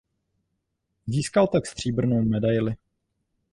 Získal tak stříbrnou medaili.